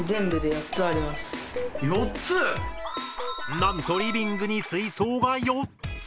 なんとリビングに水槽が４つ！